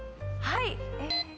はい。